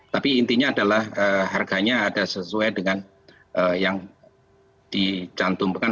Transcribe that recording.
tapi intinya adalah harganya ada sesuai dengan yang dicantumkan